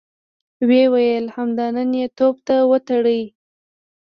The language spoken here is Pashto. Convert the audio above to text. ويې ويل: همدا نن يې توپ ته وتړئ!